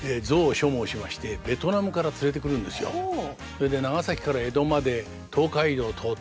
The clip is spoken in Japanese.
それで長崎から江戸まで東海道通ってですね